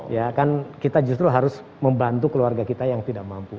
ya kan kita justru harus membantu keluarga kita yang tidak mampu